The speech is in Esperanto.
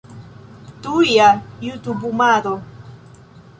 Tuja jutubumado